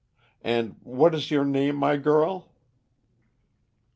And what is your name, my girl?"